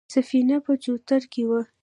سفينه په چوتره کې وه.